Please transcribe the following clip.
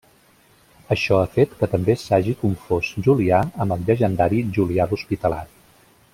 Això ha fet que també s'hagi confós Julià amb el llegendari Julià l'Hospitalari.